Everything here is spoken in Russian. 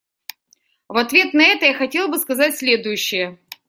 В ответ на это я хотел бы сказать следующее.